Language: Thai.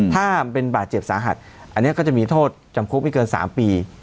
ถ้าเป็นบาดเจ็บสาหัสอันนี้ก็จะมีโทษจำคุกไม่เกิน๓ปี